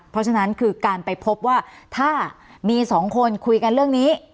เพราะฉะนั้นคือการไปพบว่าถ้ามีสองคนคุยกันเรื่องนี้